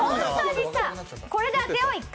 これで当てよう、１回。